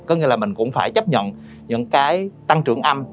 có nghĩa là mình cũng phải chấp nhận những cái tăng trưởng âm